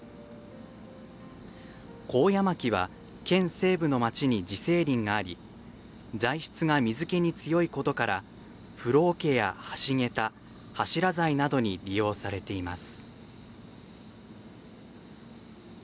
コウヤマキは県西部の町に自生林があり材質が水けに強いことから風呂おけや橋桁柱材などに利用されています。